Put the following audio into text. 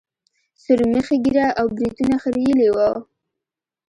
سورمخي ږيره او برېتونه خرييلي وو.